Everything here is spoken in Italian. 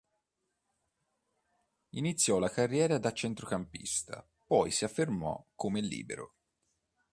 Iniziò la carriera da centrocampista, poi si affermò come libero.